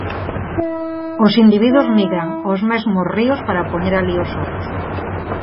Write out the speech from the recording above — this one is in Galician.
Os individuos migran aos mesmos ríos para poñer alí os ovos.